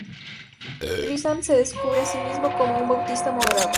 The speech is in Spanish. Grisham se describe a sí mismo como un "bautista moderado".